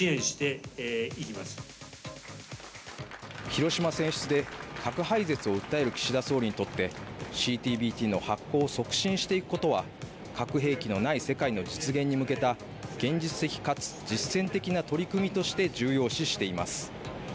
広島選出で核廃絶を訴える岸田総理にとってＣＴＢＴの発効を促進していくことは「核兵器のない世界」の実現に向けた現実的かつ実践的な取り組みとして重要視しています。